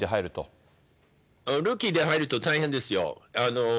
ルーキーで入ると大変ですよ。